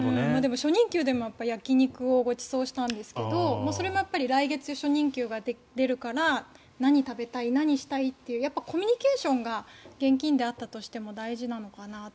初任給でも焼き肉をごちそうしたんですけどそれも来月、初任給が出るから何食べたい、何したいというコミュニケーションが現金であったとしても大事なのかなと。